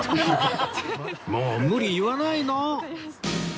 もう無理言わないの！